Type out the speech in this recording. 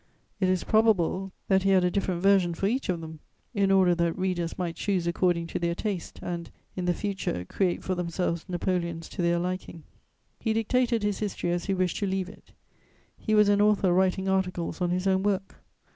It is probable that he had a different version for each of them, in order that readers might choose according to their taste and, in the future, create for themselves Napoleons to their liking. He dictated his history as he wished to leave it; he was an author writing articles on his own work.